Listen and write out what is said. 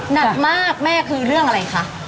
หนักมากแม่คือเรื่องอะไรคะ